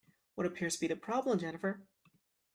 What appears to be the problem, Jennifer?